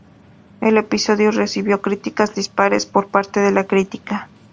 El episodio recibió críticas dispares por parte de la crítica.